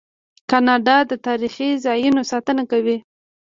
کاناډا د تاریخي ځایونو ساتنه کوي.